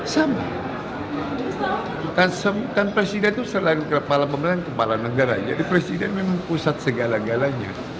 sama kan presiden itu selain kepala pemerintahan kepala negara jadi presiden memang pusat segala galanya